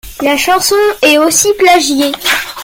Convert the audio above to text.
La chanson est aussi plagiée.